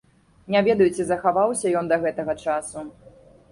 Не ведаю, ці захаваўся ён да гэтага часу.